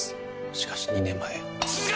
しかし２年前涼香！